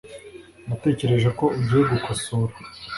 Natekereje ko ugiye gukosora